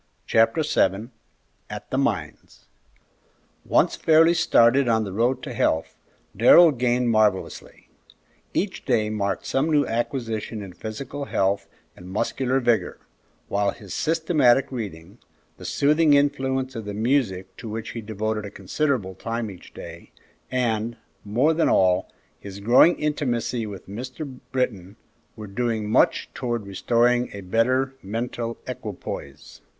Chapter VII AT THE MINES Once fairly started on the road to health, Darrell gained marvellously. Each day marked some new acquisition in physical health and muscular vigor, while his systematic reading, the soothing influence of the music to which he devoted a considerable time each day, and, more than all, his growing intimacy with Mr. Britton, were doing much towards restoring a better mental equipoise.